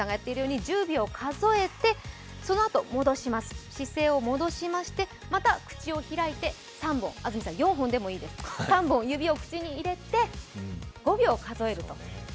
そのあと姿勢を戻しましてまた口を開いて３本、安住さん、４本でもいいです、３本、指を口に入れて５秒数えると。